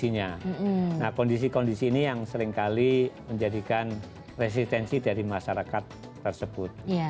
nah kondisi kondisi ini yang seringkali menjadikan resistensi dari masyarakat tersebut